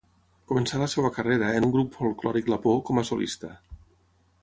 Començà la seva carrera en un grup folklòric lapó com a solista.